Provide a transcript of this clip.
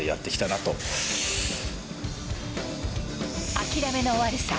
諦めの悪さ。